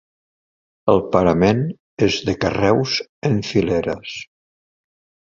El parament és de carreus en fileres.